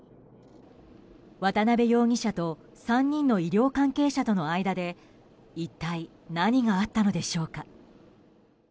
渡邊容疑者と３人の医療関係者との間で一体、何があったのでしょうか。